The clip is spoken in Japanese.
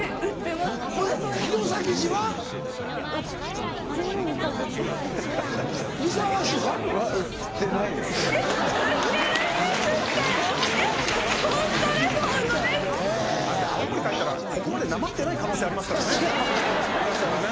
また青森帰ったらここまでなまってない可能性ありますからね下手したらね。